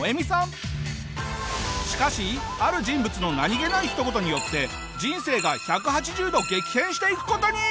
しかしある人物の何げないひと言によって人生が１８０度激変していく事に！